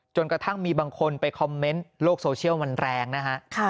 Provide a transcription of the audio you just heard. กระทั่งมีบางคนไปคอมเมนต์โลกโซเชียลมันแรงนะฮะ